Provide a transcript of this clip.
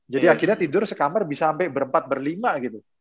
jadi akhirnya tidur sekamer bisa sampe berempat berlima gitu